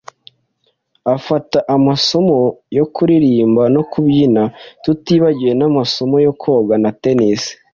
Afata amasomo yo kuririmba no kubyina, tutibagiwe n'amasomo yo koga na tennis.